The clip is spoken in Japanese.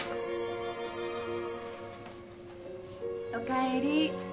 おかえり。